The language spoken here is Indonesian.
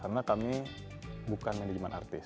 karena kami bukan manajemen artis